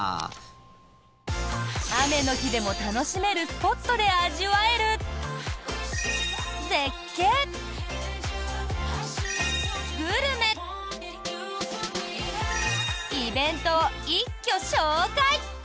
雨の日でも楽しめるスポットで味わえる絶景、グルメ、イベントを一挙紹介！